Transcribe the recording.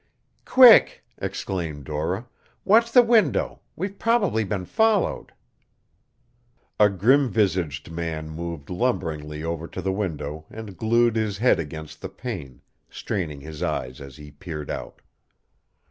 "Quick!" exclaimed Dora. "Watch the window. We've probably been followed." A grim visaged man moved lumberingly over to the window and glued his head against the pane, straining his eyes as he peered out.